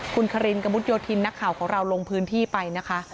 คุณคารินกระมุดโยธินนักข่าวของเราลงพื้นที่ไปนะคะ